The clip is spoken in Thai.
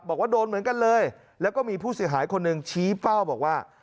บอกว่าโดนเหมือนกันเลยแล้วก็มีผู้เสียหายคนหนึ่งชี้เป้าบอกว่า